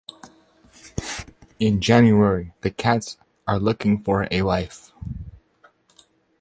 In January, the cats are looking for a wife.